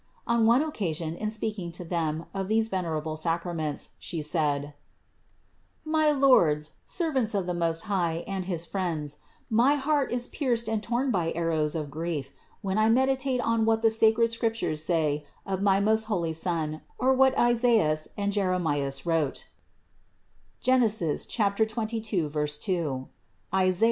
On one oc casion in speaking to them of these venerable sacra THE INCARNATION 201 ments, She said : "My lords, servants of the Most High and his friends, my heart is pierced and torn by arrows of grief, when I meditate on what the sacred Scriptures say of my most holy Son or what Isaias and Jeremias wrote (Gen. 22, 2; Isai.